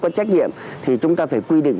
có trách nhiệm thì chúng ta phải quy định